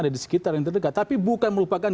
ada di sekitar yang terdekat tapi bukan merupakan